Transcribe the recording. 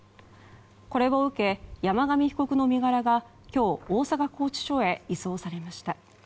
これを受け、山上被告の身柄が今日、大阪拘置所へ移送されました。